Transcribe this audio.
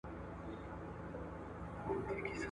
که په ښکلا پوه سې نو لیکوال یې.